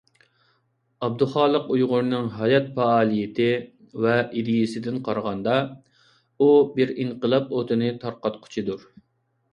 ئابدۇخالىق ئۇيغۇرنىڭ ھايات پائالىيىتى ۋە ئىدىيەسىدىن قارىغاندا، ئۇ بىر ئىنقىلاب ئوتىنى تارقاتقۇچىدۇر.